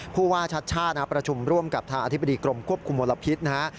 ผู้ว่าชัดชาติประชุมร่วมกับทางอธิบดีกรมควบคุมมลพิษนะฮะ